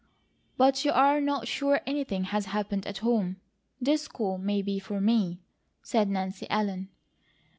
"But you are not sure anything has happened at home. This call may be for me," said Nancy Ellen.